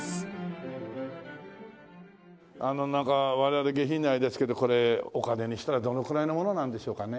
あのなんか我々下品なあれですけどこれお金にしたらどのくらいのものなんでしょうかね？